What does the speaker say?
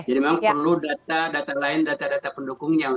jadi memang perlu data data lain data data pendukungnya